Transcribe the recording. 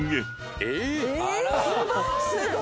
えっ⁉